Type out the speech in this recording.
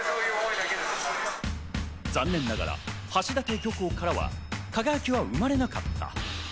残念ながら橋立漁港からは輝は生まれなかった。